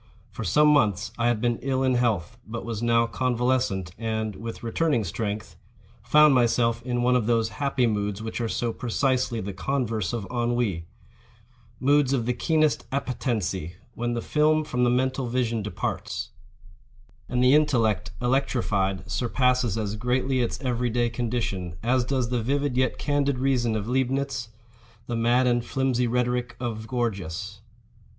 For some months I had been ill in health, but was now convalescent, and, with returning strength, found myself in one of those happy moods which are so precisely the converse of ennui—moods of the keenest appetency, when the film from the mental vision departs—the αχλυξ η πριυ επῆευ—and the intellect, electrified, surpasses as greatly its every day condition, as does the vivid yet candid reason of Leibnitz, the mad and flimsy rhetoric of Gorgias.